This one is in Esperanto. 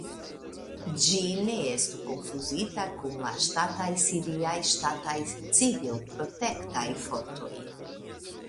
Ĝi ne estu konfuzita kun la ŝtataj siriaj ŝtataj civilprotektaj fortoj.